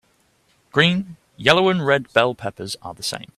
Green, yellow and red bell peppers are the same.